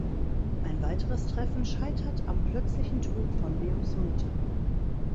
Ein weiteres Treffen scheitert am plötzlichen Tod von Leos Mutter.